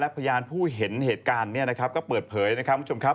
และพยายามผู้เห็นเหตุการณ์เนี่ยก็เปิดเผยนะครับ